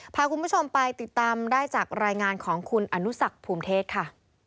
พาคุณผู้ชมไปติดตามได้จากรายงานของคุณอนุสักภูมิเทศค่ะ